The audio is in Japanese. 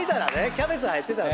キャベツ入ってたら。